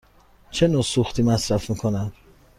چه نوع سوختی مصرف می کند؟